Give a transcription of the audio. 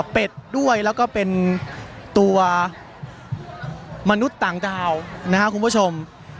เป็ดด้วยแล้วก็เป็นตัวมนุษย์ต่างเท่านะฮะคุณผู้ชม